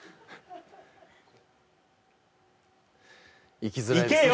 行きづらいですね。